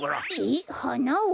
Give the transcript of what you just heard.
えっはなを？